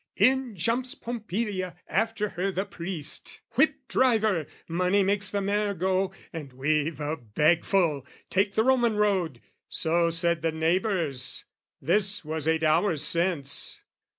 In jumps Pompilia, after her the priest, "Whip, driver! Money makes the mare to go, "And we've a bagful. Take the Roman road!" So said the neighbours. This was eight hours since.